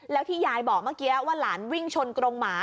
แล้วที่ยายบอกเมื่อกี้ว่าหลานวิ่งชนกรงหมา